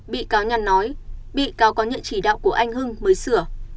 bị cáo nhàn nói bị cáo có nhận chỉ đạo của anh hưng mới sửa